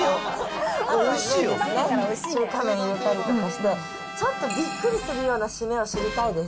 中華麺とか入れたりして、ちょっとびっくりするような締めを知りたいです。